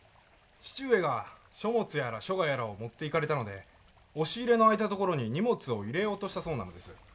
義父上が書物やら書画やらを持っていかれたので押し入れの空いたところに荷物を入れようとしたそうなんです。